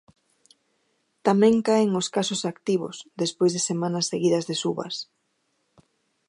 Tamén caen os casos activos, despois de semanas seguidas de subas.